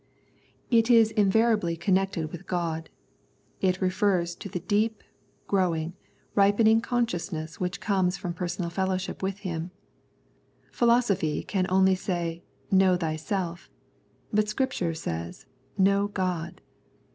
It is invariably con 96 Wisdom and Revelation nected with God ; it refers to the deep, growing, ripening consciousness which comes from personal fellowship with Him. Phil osophy can only say " Know thyself," but Scripture says, " Know God."